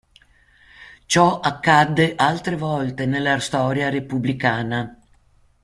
Ciò accadde altre volte nella storia repubblicana.